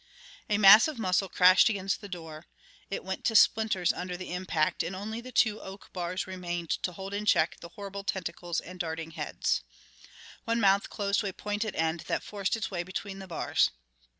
A mass of muscle crashed against the door; it went to splinters under the impact, and only the two oak bars remained to hold in check the horrible tentacles and the darting heads. One mouth closed to a pointed end that forced its way between the bars.